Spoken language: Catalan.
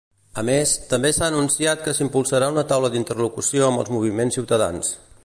A més, també s'ha anunciat que s'impulsarà una taula d'interlocució amb els moviments ciutadans.